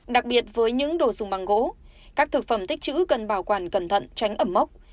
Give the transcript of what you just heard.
đặc biệt với những đồ dùng bằng gỗ các thực phẩm tích chữ cần bảo quản cẩn thận tránh ẩm mốc